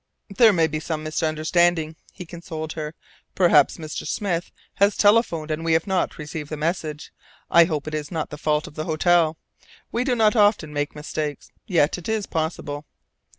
"There may be some misunderstanding," he consoled her. "Perhaps Mr. Smith has telephoned, and we have not received the message. I hope it is not the fault of the hotel. We do not often make mistakes; yet it is possible.